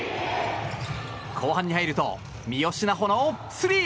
後半に入ると三好南穂のスリー。